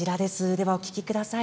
ではお聴きください。